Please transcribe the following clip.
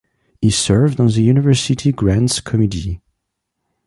He served on the University Grants Committee.